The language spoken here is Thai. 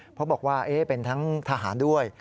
เพราะบอกว่าเป็นทั้งทหารด้วย